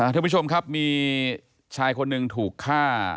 ทุกผู้ชมครับมีชายคนหนึ่งถูกฆ่า